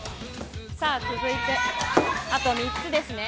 さあ、続いてあと３つですね。